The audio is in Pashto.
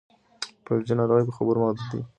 فلجي ناروغ په خبرو محدود دی.